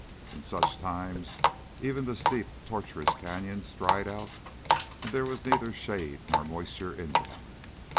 In such times even the steep, tortuous canyons dried out and there was neither shade nor moisture in them.